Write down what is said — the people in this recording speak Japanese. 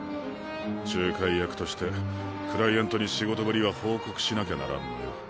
仲介役としてクライアントに仕事ぶりは報告しなきゃならんのよ。